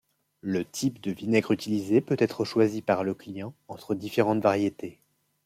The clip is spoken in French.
Le type de vinaigre utilisé peut être choisi par le client entre différentes variétés.